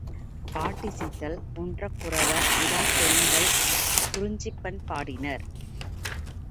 பாட்டிசைத்தல் குன்றக் குறவர் இளம் பெண்கள் குறிஞ்சிப்பண் பாடினர்.